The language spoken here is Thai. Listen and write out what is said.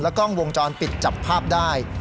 กล้องวงจรปิดจับภาพได้